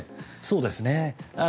そうですね。